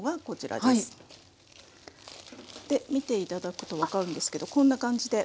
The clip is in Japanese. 見て頂くと分かるんですけどこんな感じで。